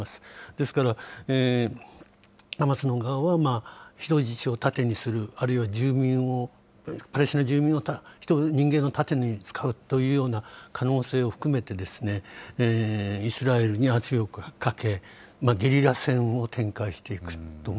ですからハマスの側は、人質を盾にする、住民を、パレスチナ住民を人間の盾に使うというような可能性を含めて、イスラエルに圧力をかけ、ゲリラ戦を展開